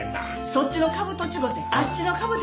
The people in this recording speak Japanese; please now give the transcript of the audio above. そっちのカブと違うてあっちの株ですわ。